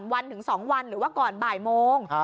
หลังวันถึงสองวันหรือว่าก่อนบ่ายโมง